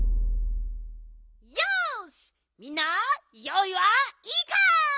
よしみんなよういはいいか？